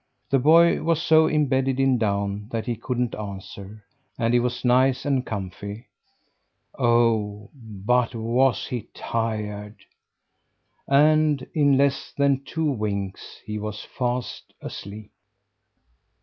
The boy was so imbedded in down that he couldn't answer, and he was nice and comfy. Oh, but he was tired! And in less than two winks he was fast asleep.